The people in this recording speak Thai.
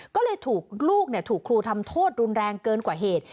ก็เลยถูกลูกถูกครูทำโทษรุนแรงเกินกว่าเหตุ